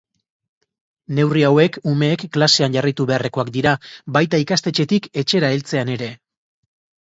Neurri hauek umeek klasean jarraitu beharrekoak dira, baita ikastetxetik etxera heltzean ere.